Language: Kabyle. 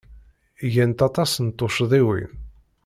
Gant aṭas n tuccḍiwin.